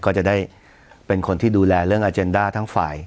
ก็จะได้เป็นคนที่ดูแลเรื่องอาเจนด้าทั้งฝ่าย